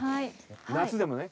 夏でもね